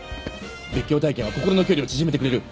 絶叫体験は心の距離を縮めてくれる。